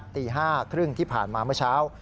ตี๕๓๐ที่ผ่านมาเมื่อเช้า